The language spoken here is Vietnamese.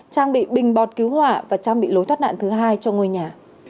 trang bị bình bọt cứu hỏa và trang bị lối thoát nạn thứ hai cho ngôi nhà